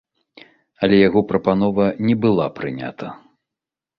Але яго прапанова не была прынята.